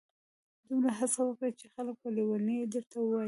دومره هڅه وکړه چي خلک په لیوني درته ووایي.